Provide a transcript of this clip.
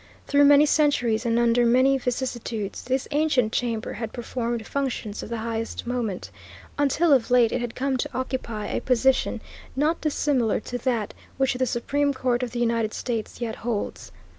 Through many centuries; and under many vicissitudes this ancient chamber had performed functions of the highest moment, until of late it had come to occupy a position not dissimilar to that which the Supreme Court of the United States yet holds.